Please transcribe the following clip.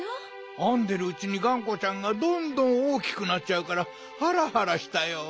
あんでるうちにがんこちゃんがどんどんおおきくなっちゃうからハラハラしたよ。